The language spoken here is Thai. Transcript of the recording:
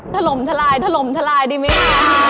ถล่มทะลายดีไหม